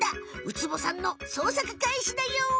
ウツボさんのそうさくかいしだよ！